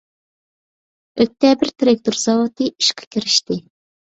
ئۆكتەبىر تىراكتور زاۋۇتى ئىشقا كىرىشتى .